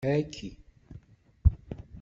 Aki!